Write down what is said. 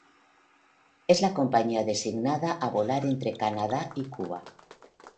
Es la compañía designada a volar entre Canadá y Cuba.